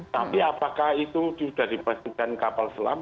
tapi apakah itu sudah dipastikan kapal selam